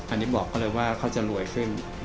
อันนี้บอกเขาเลยว่าเขาจะรวยขึ้น